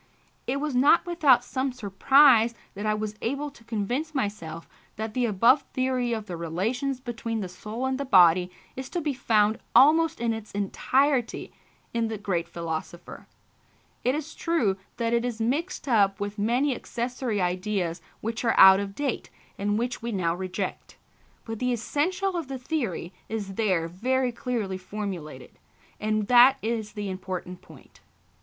It was not without some surprise that I was able to convince myself that the above theory of the relations between the soul and the body is to be found almost in its entirety in the great philosopher. It is true that it is mixed up with many accessory ideas which are out of date and which we now reject; but the essential of the theory is there very clearly formulated, and that is the important point.